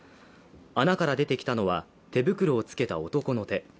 穴から出てきたのは、手袋をつけた男の手。